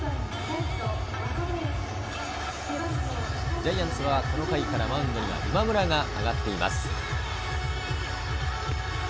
ジャイアンツはこの回からマウンドには今村が上がっています。